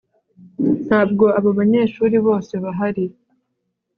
Ntabwo abo banyeshuri bose bahari